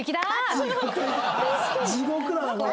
地獄だなこれ。